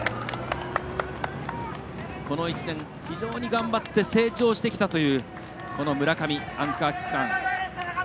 この１年、非常に頑張って成長してきたこの村上、アンカー区間。